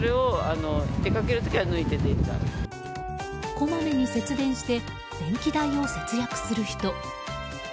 こまめに節電して電気代を節約する人。